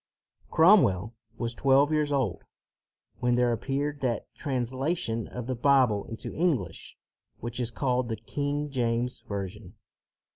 Cromwell was twelve years old when there appeared that translation of the Bible into English which is called the King James Version.